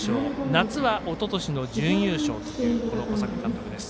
夏はおととしの準優勝という小坂監督です。